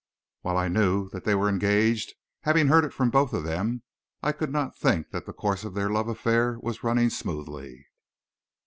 While I knew that they were engaged, having heard it from both of them, I could not think that the course of their love affair was running smoothly.